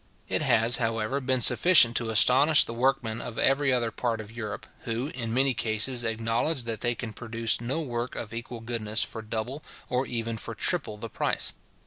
It has, however, been sufficient to astonish the workmen of every other part of Europe, who in many cases acknowledge that they can produce no work of equal goodness for double or even for triple the price.